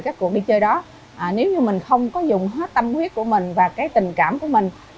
các cuộc đi chơi đó nếu như mình không có dùng hết tâm quyết của mình và cái tình cảm của mình